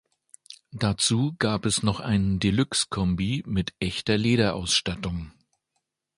Dazu gab es noch einen Deluxe-Kombi mit echter Lederausstattung.